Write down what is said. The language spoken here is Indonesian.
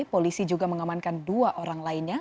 polisi juga mengamankan dua orang lainnya